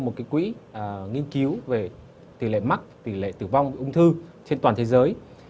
một quỹ nghiên cứu về tỷ lệ mắc tỷ lệ tử vong ung thư trên toàn thế giới